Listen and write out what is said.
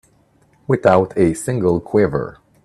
Without a single quiver.